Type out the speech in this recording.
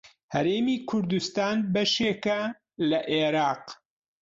هەرێمی کوردستان بەشێکە لە عێراق.